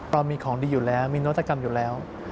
เรามีของดีอยู่แล้วมีนวัตกรรมอยู่แล้ว